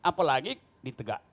apalagi di tegak